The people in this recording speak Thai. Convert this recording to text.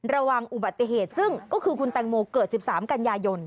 ระวังอุบัติเหตุซึ่งก็คือคุณแตงโมเกิด๑๓กันยายน